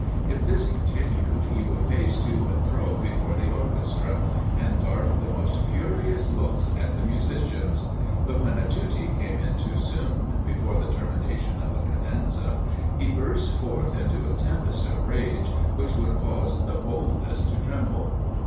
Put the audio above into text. If this continued, he would pace to and fro before the orchestra, and dart the most furious looks at the musicians; but when a tutti came in too soon, before the termination of a cadenza, he burst forth into a tempest of rage which would cause the boldest to tremble.